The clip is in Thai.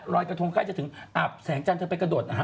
รอยกระทงใกล้จะถึงอาบแสงจันทร์เธอไปกระโดดนะฮะ